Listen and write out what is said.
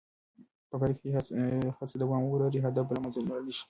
په پایله کې چې هڅه دوام ولري، هدف به له منځه ولاړ نه شي.